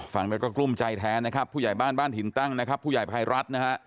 ฝั่งแม่ก็กลุ้มใจแท้นะครับผู้ใหญ่บ้านทินตั้งผู้ใหญ่ภายรัฐ